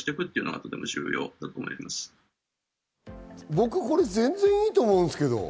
僕、これ全然いいと思うんですけど。